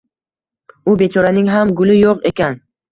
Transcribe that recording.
U bechoraning ham guli yo’q ekan